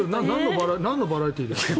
なんのバラエティーですか？